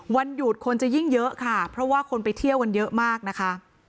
วันหยุดคนจะยิ่งเยอะค่ะเพราะว่าคนไปเที่ยวกันเยอะมากนะคะ